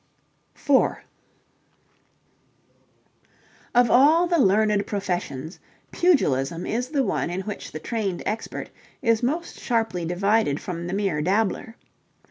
4 Of all the learned professions, pugilism is the one in which the trained expert is most sharply divided from the mere dabbler.